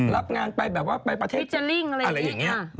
รับงานไปแบบว่าไปประเทศฟิเจอร์ลิ่งอะไรอย่างนี้